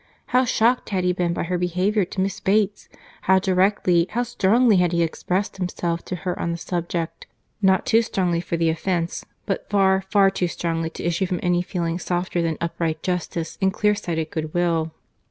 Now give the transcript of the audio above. —How shocked had he been by her behaviour to Miss Bates! How directly, how strongly had he expressed himself to her on the subject!—Not too strongly for the offence—but far, far too strongly to issue from any feeling softer than upright justice and clear sighted goodwill.